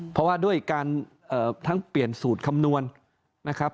เพราะว่าด้วยการทั้งเปลี่ยนสูตรคำนวณนะครับ